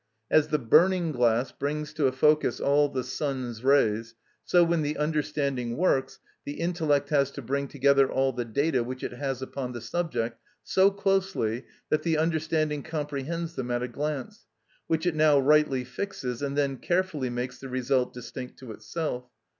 As the burning glass brings to a focus all the sun's rays, so when the understanding works, the intellect has to bring together all the data which it has upon the subject so closely that the understanding comprehends them at a glance, which it now rightly fixes, and then carefully makes the result distinct to itself.